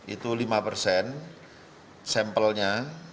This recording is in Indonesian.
itu lima persen sampelnya